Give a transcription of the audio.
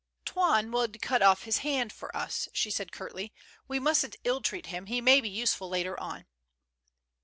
" Toine would cut off his hand for us," she said, curtly. "We musn't ill treat him, he may be useful later on."